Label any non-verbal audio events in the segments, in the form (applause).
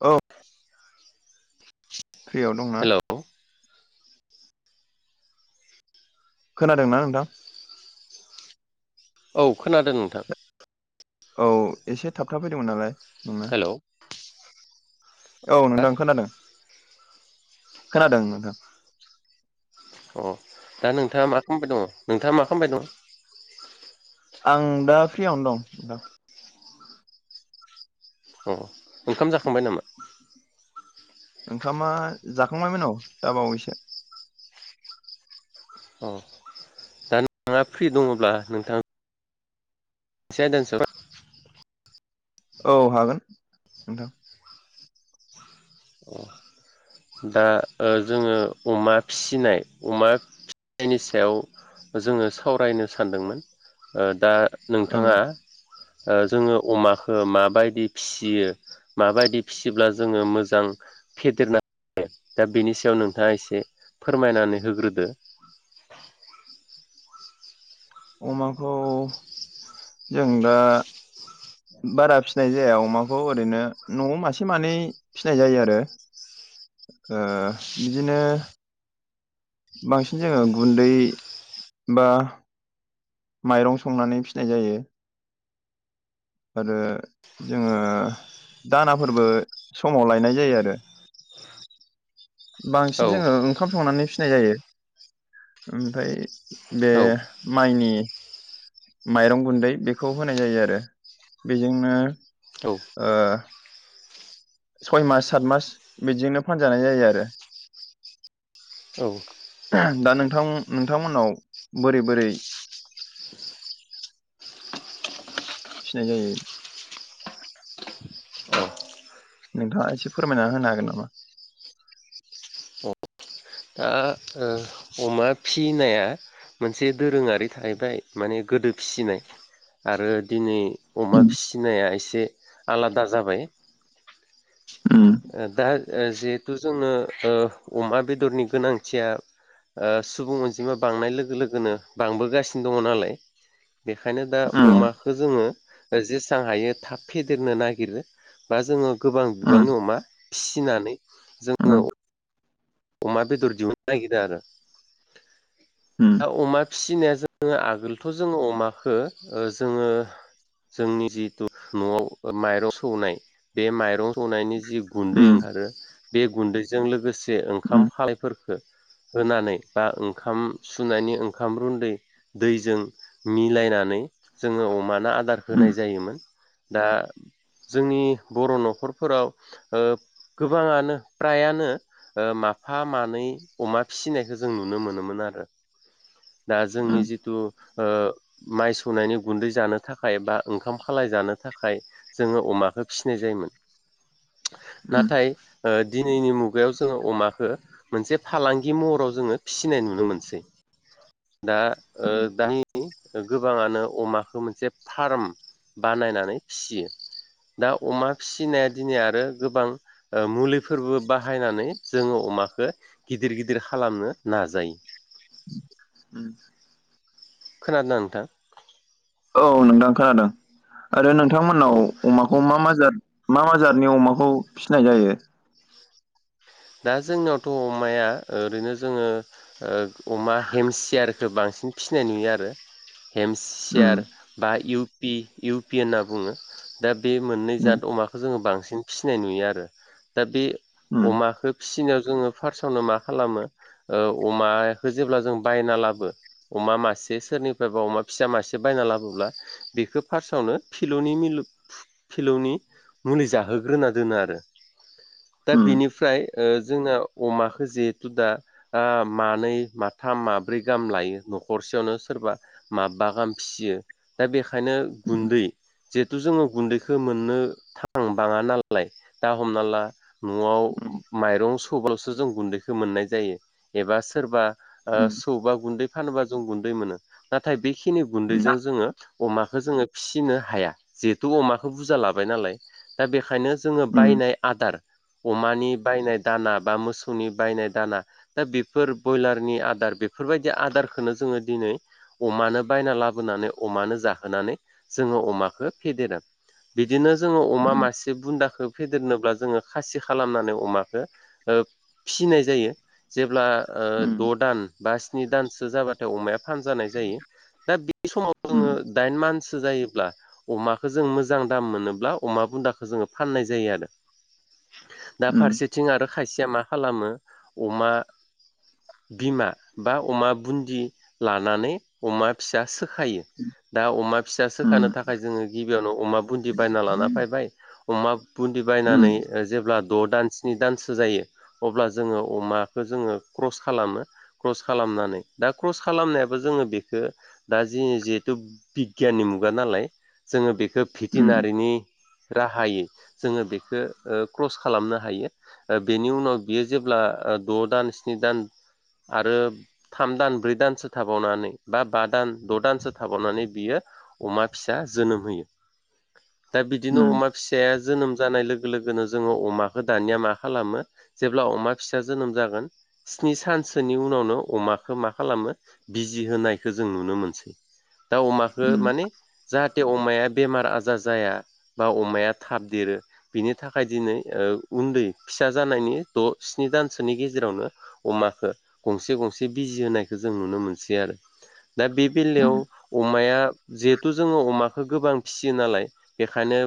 औ फ्रिआव दंना? हेलौ खोनादोंना नोंथां? औ खोनादों नोंथां। औ एसे थाबथा फैदोंमोन नालाय। नङा हेलौ औ हा नोंथां खोनादों। खोनादों नोंथां। अ दा नोंथाङा मा खालामबाय दङ नोंथाङा मा खालामबाय दङ? आं दा फ्रिवनो दं। अ ओंखाम जाखांबाय नामा? ओंखामा जाखांबायमोन औ दा बावैसो। औ दा नोंथांआ फ्रि दङब्ला नोंथां (unintelligible) औ हागोन नोंथां। अ दा ओ जोङो अमा फिसिनाय अमा फिसिनायनि सायाव जोङो सावरायनो सानदोंमोन ओ दा ओं नोंथाङा ओ जोङो अमाखौ माबायदि फिसियो माबायदि फिसिब्ला जोङो मोजां फेदेरनानै दा बेनि सायाव नोंथाङा एसे फोरमायनानै होग्रोदो । अमाखौ जों दा बारा फिनाय जाया अमाखौ ओरैनो न'आव मासे मानै फिनाय जायो आरो । ओ बिदिनो बांसिन जोङो गुन्दै बा माइरं संनानै फिनाय जायो । आरो जोङो दानाफोरबो समाव लायनाय जायो आरो । औ बांसिन जोङो ओंखाम संनानै फिनाय जायो ओमफ्राय बे औ माइनि माइरं गुन्दै बेखौ होनाय जायो आरो बेजोंनो औ ओ सय मास सात मास बिदिजोंनो फानजानाय जायो आरो । औ दा नोंथां नोंथांमोनाव बोरै बोरै फिनाय जायो औ नोंथाङा एसे फोरमायना होनो हागोन नामा? औ अमा फिनाया मोनसे दोरोङारि थाहैबाय माने गोदो फिसिनाय आरो दिनै अमा फिसिनाया एसे आलादा जाबाय । उम ओ दा जिहेथु जोंङो ओ अमा बेदरनि गोनांथिया ओ सुबुं अनजिमा बांनाय लोगो लोगोनो बांबोगासिनो दङ नालाय बेखायनो दा अमाखौ जोङो जेसां हायो थाब फेदेरनो नागिरो बा जोङो गोबां उम बिबांनि अमा फिसिनानै जोङो अमा बेदर दिहुननो नागिरो आरो दा उम अमा फिसिनाय जोङो आगोलथ' जोङो अमाखौ ओ जोङो जोंनि जिथु न'आव माइरं सौनाय बे माइरं सौनायनि जि उम गुन्दै ओंखारो बे गुन्दैजों लोगोसे उम ओंखाम खालायफोर होनानै बा ओंखाम सुनायनि ओंखाम रुन्दै दैजों मिलायनानै जोङो अमानो आदार उम होनाय जायोमोन । दा जोंनि बर' न'खरफोराव ओ गोबाङानो फ्रायानो ओ मा माफा मानै अमा फिसिनायखौ जों नुनो मोनोमोन आरो । दा उम जोंनि जिथु ओ माइ सौनायनि गुन्दै जानो थाखाय बा ओंखाम खालाय जानो थाखाय जोङो अमाखौ फिनाय जायोमोन (inaudible) नाथाय ओ दि दिनैनि मुगायाव जोङो अमाखौ मोनसे फालांगि महराव जोङो फिसिनाय नुनो मोनसै दाओ उम दानि गोबाङानो अमाखौ मोनसे फार्म बानायनानै फियो दा अमा फिसिनाया दिनै आरो गोबां मुलिफोरबो बाहायनानै जोङो अमाखौ गिदिर गिदिर खालामनो नाजायो (inaudible) उम खोनादोना नोंथां। औ नोंथां खोनादों आरो औ नोंथांमोननाव अमाखौ मा मा जाद मा मा जादनि अमाखौ फिसिनाय जायो? दा जोंनियावथ' अमाया ओरैनो जोङो ओ अमा हेमसियारखो बांसिन बांसिन फिसिनाय नुयो आरो। उम हेमसियार बा इउपि इउ पि होनना बुङो। दा बे मोननै उम जाद अमाखो जोङो बांसिन फिसिनाय नुयो आरो। दा बे अमा फिसिनायाव जोङो फार्स्टआवनो मा खालामो ओ अमखो जेब्ला जों बायना लाबो अमा मासे सोरनिफ्रायबा अमा फिसा मासे बायना लाबोब्ला बेखौ फार्स्टआवनो फिल'नि मिलु फिलौनि मुलि जाहोग्रोना दोनो आरो दा बेनिफ्राय ओ जोंना अमाखो जेहेथु दा मानै माथाम माब्रै गाहाम लायो न'खरसेयावनो सोरबा माबबा गाहाम फियो दा बेखायनो गुन्दै जिहेथु जोङो गुन्दैखो मोननो थां बाङा नालाय दा हमना ला न'आव माइरं सौबाल'सो जों गुन्दैखो मोननाय जायो एबा सोरबा ओ सौबा गुन्दै फानोबा जों गुन्दै मोनो नाथाय बेखिनि गुन्दैजों जोङो अमाखौ जोङो फिसिनो हाया जिहेतु अमाखौ बुरजा लाबाय नालाय दा बेखायनो जोङो बायनाय आदार अमानि बायनाय दाना बा मोसौनि बायनाय दाना दा बेफोर ब्रयलारनि आदार बेफोरबायदि आदार बेखोनो जोङो दिनै अमानो बायना लाबोनानै अमानो जाहोनानै जोङो अमाखो फेदेरो। बिदिनो जोङो अमा मासे बुन्दाखो फेदेरनोब्ला जोङो खासि खालामनानै अमा ओ फिसिनाय जायो जेब्ला ओ द' दान बा स्नि दानसो जाबाथाय अमाया फानजानाय जायो। दा बिदि समाव जोङो दाइन मानसो जायोब्ला अमाखो जों मोजां दाम मोनोब्ला अमा बुन्दाखौ जोङो फाननाय जायो आरो। (inaudible) दा फारसे खायसेया मा खालामो अमा बिमा बा अमा बुन्दि लानानै अमा फिसा सोखायो। दा अमा फिसा सोखानो थाखाय जोङो गिबियावनो अमा बुन्दि बायना लाना फायबाय अमा बुन्दि बायनानै जेब्ला द' दानसे जि दानसो जायो अब्ला जोङो अमाखो जोङो क्रस खालामो क्रस खालामनानै दा क्रस खालामनायाबो जोङो बेखो दा जि जिहेथु बिगियाननि मुगा नालाय जोङो बेखो भेटेनारिनि राहायै जोङो बेखो ओ क्रस खालामनो हायो। दी बेनि उनाव बियो जेब्ला द' दान स्नि दान आरो थाम दान ब्रै दानसो थाबावनानै बा बा दान द' दानसो थाबावनानै बियो अमा फिसा जोनोम होयो। (inaudible) दा बिदिनो अमा फिसाया जोनोम जानाय लोगो लोगोनो जोङो अमाखौ दानिया मा खालामो जेब्ला अमा फिसा जोनोम जागोन स्नि सानसोनि उनावनो अमाखौ मा खालामो बिजि होनायखो जों नुनो मोनसै दा अमखो माने जा थे अमाया बेमार आजार जाया बा अमाया थाब देरो बिनि थाखाय दिनै ओ उन्दै फिसा जानायनि द' स्नि दानसोनि गेजेरावनो अमाखो गंसे गंसे बिजि होनायखो जों नुनो मोनसै आरो। दा बे बेलायाव अमाया जिहेथु जोङो अमाखो गोबां फिसियो नालाय बे ओंखायनो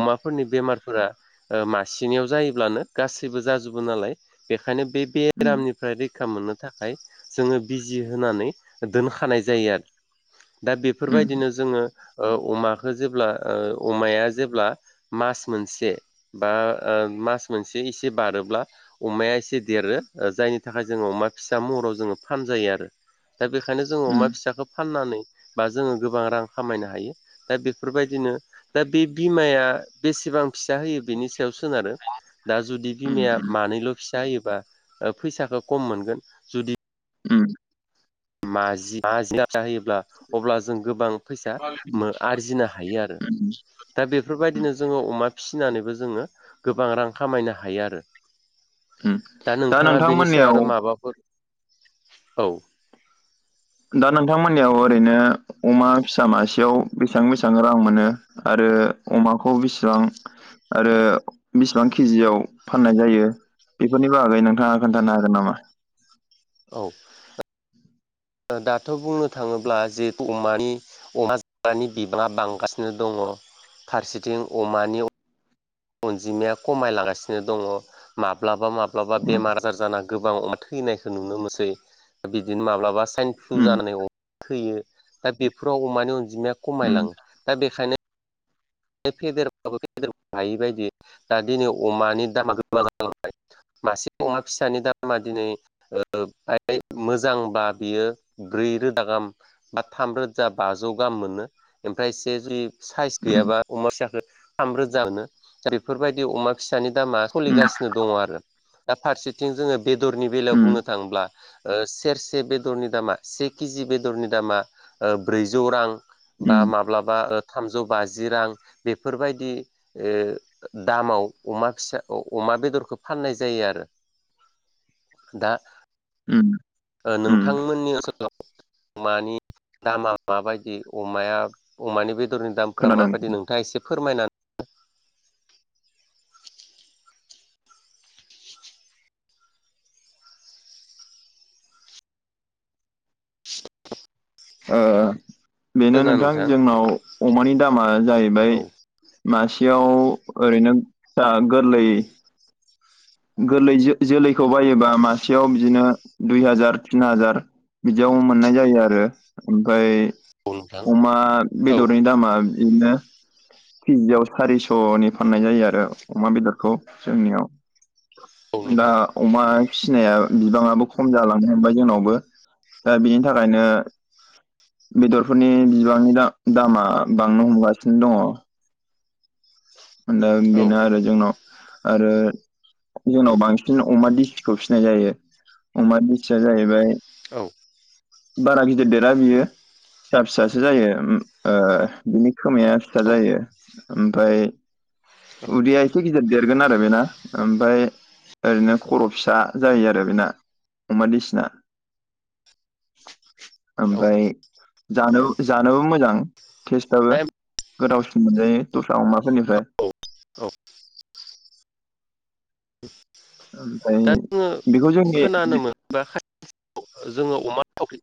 अमाफोरनि बेमारफोरा मासेनियाव जायोब्लानो गासैबो जाजोबो नालाय बेखायनो बे बेरामनिफ्राय रैखा मोननो थाखाय जोङो बिजि होनानै दोनखानाय जायो आरो। दा बेफोरबायदिनो जोङो ओ अमाखौ जेब्ला ओ अमाया जेब्ला मास मोनसे बा ओ मास मोनसे एसे बारोब्ला अमाया एसे देरो जायनि थाखाय जों अमा फिसा महराव जोङो फान जायो आरो दा बेखायनो जोंङो अमा फिसाखौ फाननानै बा जोङो गोबां रां खामायनो हायो दा बेफोरबायदिनो दा बे बिमाया बेसे सिबां फिसा होयो बिनि सायाव सोनारो दा जुदि बिमाया मानैल' फिसा होयोबा फैसाखौ खम मोनगोन जुदि माजि माजि जाहोयोब्ला अब्ला जों गोबां फै आरजिनो हायो आरो दा बेफोरबायदिनो जोङो अमा फिसिनानैबो जोङो गोबां रां खामायनो हायो आरो दा नोंथाङा बेनि सायाव नोंथांमोननियाव आरो माबाफोर औ दा नोंथांमोननियाव ओरैनो अमा फिसा मासेयाव बेसेबां बेसेबां रां मोनो आरो ओ अमाखौ बेसेबां आरो बेसेबां केजियाव फाननाय जायो बेफोरनि बागै नोंथाङा खोन्थानो हागोन नामा औ दाथ' बुंनो थाङोब्ला जिहेथु अमानि अमा जाग्रानि बिबाङा बांगासिनो दङ फारसेथिं अमानि अनजिमाया खमायलांगासिनो दङ माब्लाबा माब्लाबा उम बेमार आजार जाजाना गोबां अमा थैनायखौ नुनो मोनसै बिदिनो माब्लाबा साइन फ्लु उम जानानै अ थैयो दा बेफोराव अमानि अनजिमाया उम खमायलाङो दा बेखायनो बे फेदेर बाबो फेदेर हायि बायदि दा दिनै अमानि दामा गोमालांबाय मासे अमा फिसानि दामा दिनै मोजांबा बियो ब्रै रोजा गाहाम बा थाम रोजा बाजौ गाहाम मोनो ओमफ्राय एसे जुदि साइस उम गैयाबा अमा फिसाखौ थामरोजा मोनो दा बेफोरबायदि अमा फिसानि दामा सोलिगासिनो दङ आरो दा फारसेथिं जोङो बेदरनि बेलायाव उम बुंनो थाङोब्ला सेरसे बेदरनि दामा से केजि बेदरनि दामा ब्रैजौ रां बा उम माब्लाबा थामजौ बाजि रां बेफोरबायदि दामाव अमा फिसा अमा बेदरखौ फाननाय जायो आरो दा उम उम नोंथांमोननि ओनसोलाव अमानि दामा माबायदि अमाया अमानि बे बेदरनि दामफोरा खोनादों माबायदि नोंथाङा एसे फोरमायनानै बेनो नोंथां जोंनाव अमानि दामा जाहैबाय औ मासेयाव ओरैनो दा गोरलै गोरलै जोलैखौ बायोबा मासेयाव बिदिनो दुइ हाजार तिन हाजार बिदियाव मोननाय जायो आरो ओमफाय औ नोंथां अमा औ बेदरनि दामा बिदिनो केजियाव सारिस'नि फाननाय जायो आरो अमा बेदरखौ औ जोंनियाव दा नोंथां अमा फिसिनाया बिबाङाबो खम जालांनो हांबाय जोंनावबो दा बेनि थाखायनो बेदरफोरनि बिबांनि दामा बांनो हमगासिनो दङ दा औ बेनो आरो जोंनाव आरो जोंनाव उम बांसिन अमा दिसि खौ फिसिनाय जायो अमा दिसिया जाहैबाय औ -बारा गिदिर देरा बियो फिसा फिसासो जायो बिनि- -खोमाया फिसा औ जायो ओमफ्राय उदैया एसे- गिदिर देरगोन आरो बेना ओमफ्राय ओरैनो खर' फिसा जायो आरो बेना ममाद इसना औ ओमफ्राय जानो औ जानोबो मोजां टेस्टाबो दा गोथावसिन मोनजायो दस्रा अमाफोरनिफ्राय औ -औ ओमफ्राय दा जोङो बेखौ जोंनि खोनानो मोनबा जोङो अमा थावख्रि।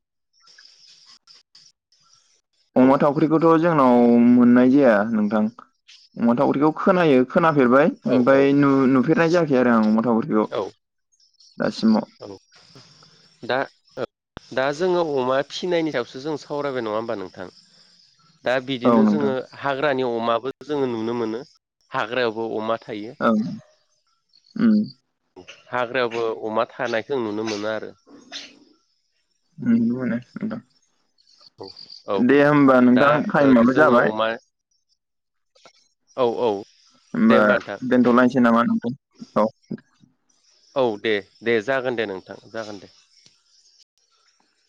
औ अमा थावख्रिखौथ' जोंनाव मोननाय जाया नोंथां अमा थावख्रिखौ खोनायो खोनाफेरबाय औ औ ओमफ्राय नुफेरनाय जायाखै आरो आं अमा थावख्रिखौ। औ दासिमाव औ दा। दा जोङो अमा फिनायनि सायावसो जों सावरायबाय नङा होमबा नोंथां। दा औ बिदिनो नोंथां जोङो हाग्रानि अमाबो जोङो नुनो मोनो हाग्रायावबो अमा थायो औ। हाग्रायावबो अमा थानायखौ नुनो मोनो आरो। नुनो मोनो नोंथां। औ - औ दे होमबा दा नोंथां टाइमाबो जोङो जाबाय अमा औ - औ। दे होमबा नोंथां दोनथ'लायसै नामा नोंथां औ। औ दे- दे जागोन दे नोंथां जागोन दे।